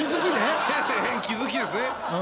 気づきですね